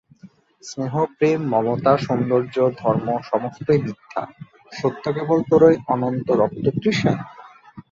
স্নেহ প্রেম মমতা সৌন্দর্য ধর্ম সমস্তই মিথ্যা, সত্য কেবল তোর ঐ অনন্ত রক্ততৃষা?